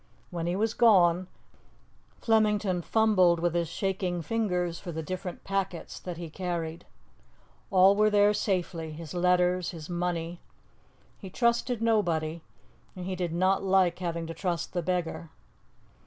When he was gone, Flemington fumbled with his shaking fingers for the different packets that he carried. All were there safely his letters, his money. He trusted nobody, and he did not like having to trust the beggar.